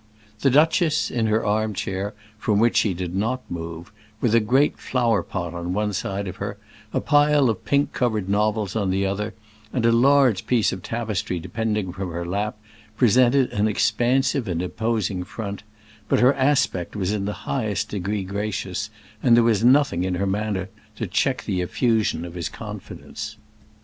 The duchess, in her armchair, from which she did not move, with a great flower pot on one side of her, a pile of pink covered novels on the other, and a large piece of tapestry depending from her lap, presented an expansive and imposing front; but her aspect was in the highest degree gracious, and there was nothing in her manner to check the effusion of his confidence.